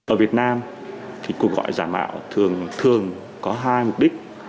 ở việt nam thì cuộc gọi giả mạo thường thường có hai mục đích